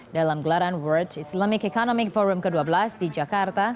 dalam gelaran world islamic economic forum ke dua belas di jakarta